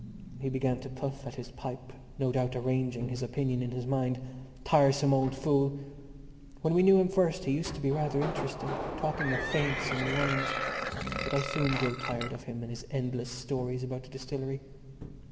He began to puff at his pipe, no doubt arranging his opinion in his mind. Tiresome old fool! When we knew him first he used to be rather interesting, talking of faints and worms; but I soon grew tired of him and his endless stories about the distillery.